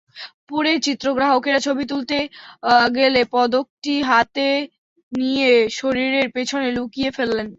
পরে চিত্রগ্রাহকেরা ছবি তুলতে গেলে পদকটি হাতে নিয়ে শরীরের পেছনে লুকিয়ে ফেললেন।